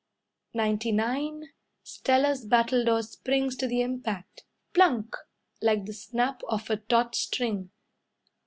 "Ninety nine," Stella's battledore springs to the impact. Plunk! Like the snap of a taut string.